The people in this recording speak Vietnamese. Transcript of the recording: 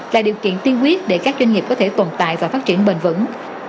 là điều kiện tiên quyết để các doanh nghiệp có thể tồn tại và phát triển bền vững